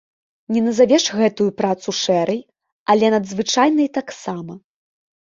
Не назавеш гэтую працу шэрай, але надзвычайнай таксама.